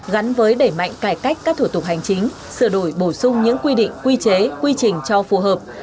gắn với đẩy mạnh cải cách các thủ tục hành chính sửa đổi bổ sung những quy định quy chế quy trình cho phù hợp